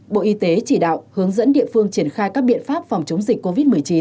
bộ y tế chỉ đạo hướng dẫn địa phương triển khai các biện pháp phòng chống dịch covid một mươi chín